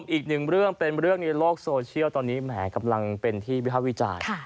อีกหนึ่งเรื่องเป็นเรื่องในโลกโซเชียลตอนนี้แหมกำลังเป็นที่วิภาควิจารณ์